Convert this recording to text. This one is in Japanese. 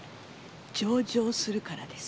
上場するからです。